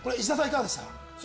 いかがでしたか？